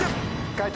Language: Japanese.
解答